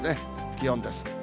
気温です。